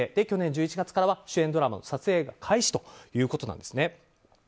去年１１月からは主演ドラマの撮影開始ということです。